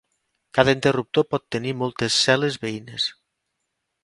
Cada interruptor pot tenir moltes cel·les veïnes.